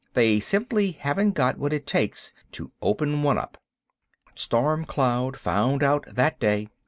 They simply haven't got what it takes to open one up. "Storm" Cloud found out that day.